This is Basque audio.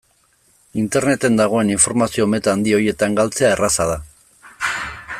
Interneten dagoen informazio-meta handi horietan galtzea erraza da.